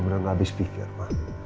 aku bener bener gak habis pikir ma